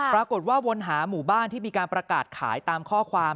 วนหาหมู่บ้านที่มีการประกาศขายตามข้อความ